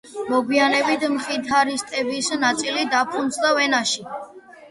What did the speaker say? მოგვიანებით მხითარისტების ნაწილი დაფუძნდა ვენაში.